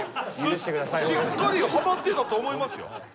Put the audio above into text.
しっかりはまってたと思いますよ。